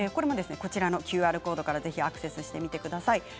こちらのＱＲコードからぜひアクセスしてみてください。